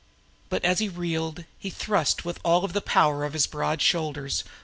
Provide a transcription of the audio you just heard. But as he reeled he thrust with all the power of his great shoulders.